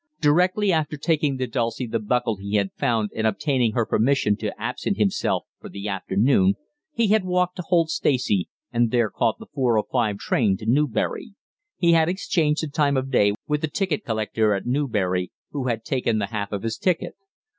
Directly after taking to Dulcie the buckle he had found and obtaining her permission to absent himself for the afternoon, he had walked to Holt Stacey, and there caught the 4:05 train to Newbury. He had exchanged the time of day with the ticket collector at Newbury, who had taken the half of his ticket.